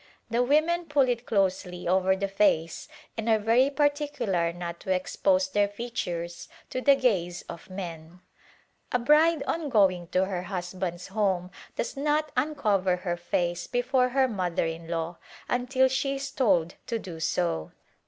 The women pull it closely over the face and are very particular not to expose their features to the gaze of men. A bride on going to her husband's home does not un General Work cover her face before her mother in law until she is told to do so.